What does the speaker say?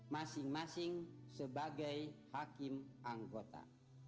masing masing sebagai hakim anggota